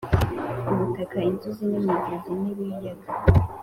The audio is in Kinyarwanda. ubutaka inzuzi imigezi n’ ibiyaga